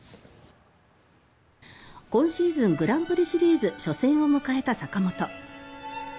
今シーズングランプリシリーズ初戦を迎えた坂本。